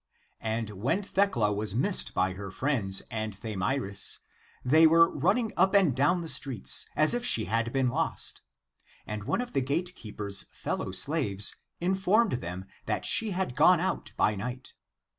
And when Thecla was missed by her friends and Thamyris, they were running up and down the streets, as if she had been lost, and one of the gate keeper's fellow slaves informed them that she had gone out by night.